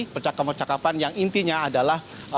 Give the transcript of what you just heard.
percakapan percakapan yang intinya adalah